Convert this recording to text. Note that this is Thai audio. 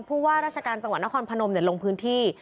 ผู้ว่าราชการจังหวัดนครพนมลงพื้นที่